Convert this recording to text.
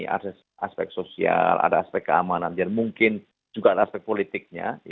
ada aspek sosial ada aspek keamanan dan mungkin juga ada aspek politiknya